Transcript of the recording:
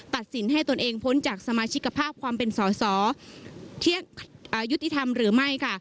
สินให้ตนเองพ้นจากสมาชิกภาพความเป็นสอสอที่ยุติธรรมหรือไม่ค่ะ